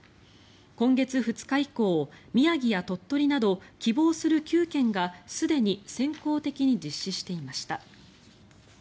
今月２日以降宮城や鳥取など希望する９県がすでに先行的に実施していました。